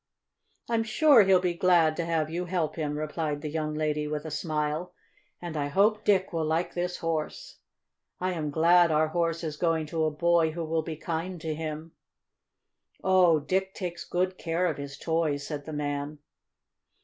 "I'm sure he'll be glad to have you help him," replied the young lady, with a smile. "And I hope Dick will like this Horse. I am glad our Horse is going to a boy who will be kind to him." "Oh, Dick takes good care of his toys," said the man.